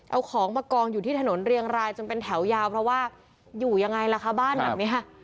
เอาของมากองอยู่ที่ถนนเรียงรายจนเป็นแถวยาวเพราะว่าอยู่ยังไงล่ะคะบ้านแบบนี้